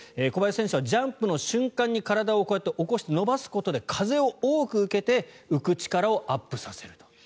小林選手はジャンプの瞬間に体を起こして伸ばすことで風を多く受けて浮く力をアップさせる。